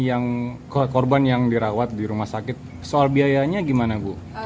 yang korban yang dirawat di rumah sakit soal biayanya gimana bu